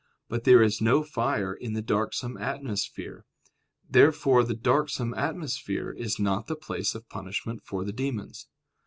But there is no fire in the darksome atmosphere. Therefore the darksome atmosphere is not the place of punishment for the demons.